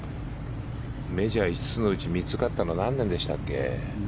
メジャー５つのうち３つ勝ったの何年でしたっけ。